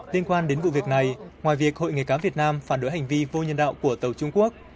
liên quan đến vụ việc này ngoài việc hội nghề cá việt nam phản đối hành vi vô nhân đạo của tàu trung quốc